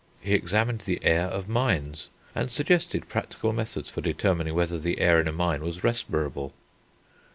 He examined the air of mines, and suggested practical methods for determining whether the air in a mine was respirable.